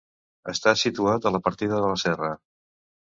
Està situat a la partida de la Serra.